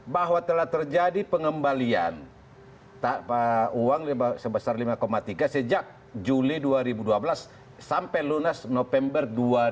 bahwa telah terjadi pengembalian uang sebesar lima tiga sejak juli dua ribu dua belas sampai lunas november dua ribu dua puluh